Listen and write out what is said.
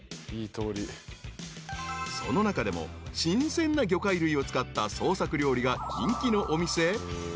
［その中でも新鮮な魚介類を使った創作料理が人気のお店すっぴん］